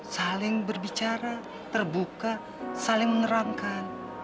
saling berbicara terbuka saling menerangkan